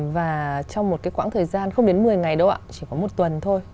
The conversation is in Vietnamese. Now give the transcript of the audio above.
và trong một khoảng thời gian không đến một mươi ngày đâu ạ chỉ có một tuần thôi